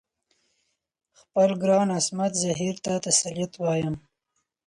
خپل ګران عصمت زهیر ته تسلیت وایم.